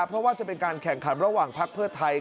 เพราะว่าจะเป็นการแข่งขันระหว่างพักเพื่อไทย